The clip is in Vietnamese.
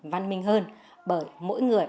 văn minh hơn bởi mỗi người